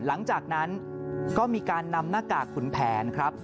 หลังจากนั้นก็มีการนำหน้ากากขุนแผนครับ